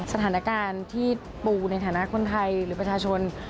สถานการณ์ที่ปูในฐานะคนไทยหรือประชาชน